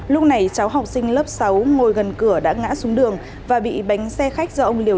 lúc này cháu học sinh lớp sáu ngồi gần cửa đã ngã xuống đường và bị bánh xe khách do ông liều